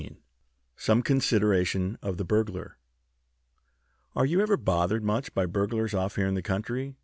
XV SOME CONSIDERATION OF THE BURGLAR "Are you ever bothered much by burglars off here in the country?"